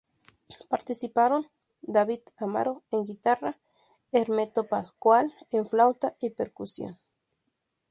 Participaron: David Amaro en guitarra, Hermeto Pascoal en flauta y percusión.